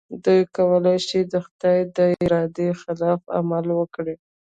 دوی کولای شي د خدای د ارادې خلاف عمل وکړي.